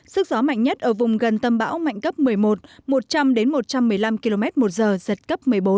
sức gió mạnh nhất ở vùng gần tâm bão mạnh cấp một mươi một một trăm linh một trăm một mươi năm km một giờ giật cấp một mươi bốn